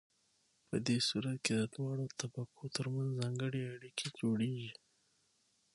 په دې صورت کې د دواړو طبقو ترمنځ ځانګړې اړیکې جوړیږي.